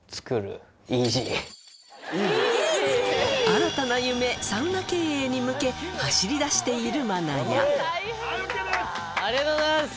新たな夢サウナ経営に向け走りだしている愛弥ありがとうございます！